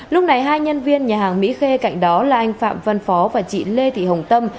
lúc này hai nhân viên nhà hàng mỹ khê cạnh đó là anh phạm văn phó và chị lê thị hồng tâm